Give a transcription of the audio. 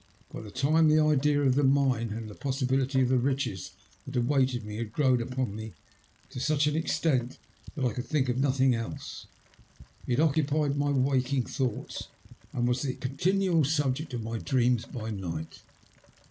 By this time the idea of the mine, and the possibility of the riches that awaited me, had grown upon me to such an extent that I could think of nothing else. It occupied my waking thoughts, and was the con tinual subject of my dreams by night.